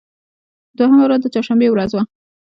دوهمه ورځ د چهار شنبې ورځ وه.